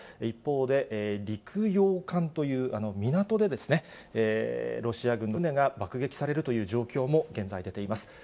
一方で、りくようかんという港でロシア軍の船が爆撃されるという状況も、現在出ています。